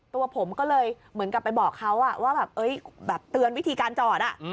ตัวผมเหมือนกันไปบอกเขาว่าเตือนวิธีการจอด